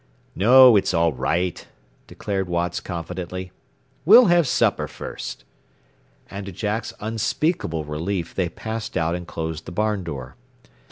"No; it's all right," declared Watts confidently. "We'll have supper first." And to Jack's unspeakable relief they passed out and closed the barn door.